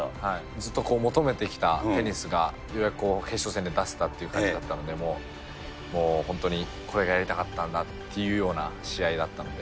ずっと求めてきたテニスがようやくこう、決勝戦で出せたという感じだったので、もう、本当にこれがやりたかったんだっていうような試合だったので。